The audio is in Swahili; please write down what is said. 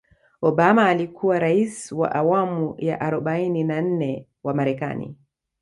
obama alikuwa raisi wa awamu ya arobaini na nne wa marekani